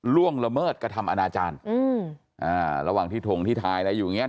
ล่วงละเมิดกระทำอนาจารย์อืมอ่าระหว่างที่ถงที่ทายอะไรอยู่อย่างเงี้